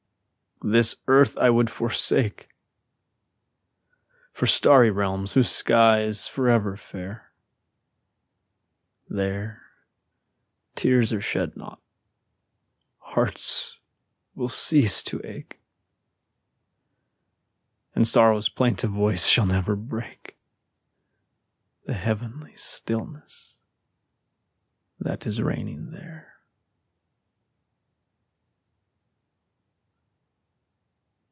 This earth I would forsake For starry realms whose sky's forever fair; There, tears are shed not, hearts will cease to ache, And sorrow's plaintive voice shall never break The heavenly stillness that is reigning there.